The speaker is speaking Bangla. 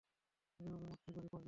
তবে এ অভিমতটি গরীব পর্যায়ের।